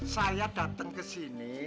saya dateng kesini